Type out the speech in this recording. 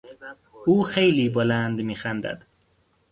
او خیلی بلند میخندد.